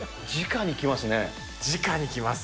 じかにきます。